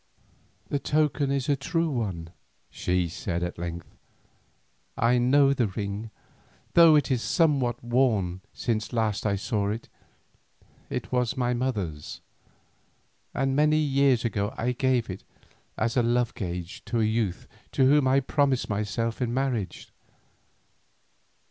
"The token is a true one," she said at length. "I know the ring, though it is somewhat worn since last I saw it, it was my mother's; and many years ago I gave it as a love gage to a youth to whom I promised myself in marriage.